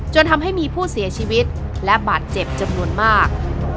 จนทำให้มีผู้เสียชีวิตและบาดเจ็บจำนวนมาก